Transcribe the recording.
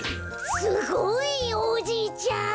すごい！おじいちゃん。